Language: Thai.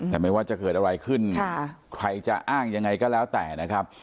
แต่ไม่ว่าจะเกิดอะไรขึ้นใครจะอ้างยังไงก็แล้วแต่นะครับ